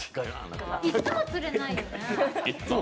いっつも釣れないよね。